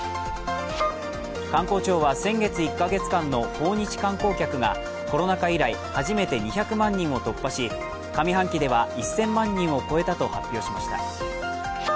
観光庁は先月１か月間の訪日観光客がコロナ禍以来、初めて２００万人を突破し、上半期では１０００万人を超えたと発表しました。